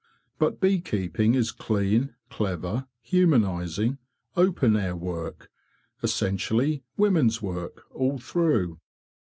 But bee keeping is clean, clever, humanising, open air work—essentially women's work all through."